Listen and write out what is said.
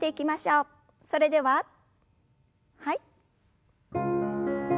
それでははい。